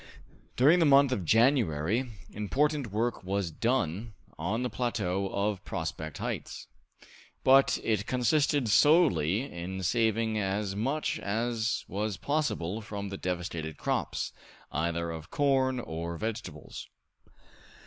During the month of January, important work was done on the plateau of Prospect Heights; but it consisted solely in saving as much as was possible from the devastated crops, either of corn or vegetables.